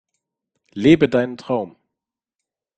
Lebe deinen Traum!